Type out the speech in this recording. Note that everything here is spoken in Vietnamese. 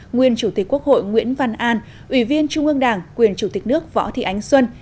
nguyên chủ tịch quốc hội nguyễn văn an ủy viên trung ương đảng quyền chủ tịch nước võ thị ánh xuân